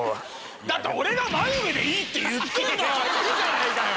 だって俺がマユ毛でいいって言ってんだからいいじゃないかよ！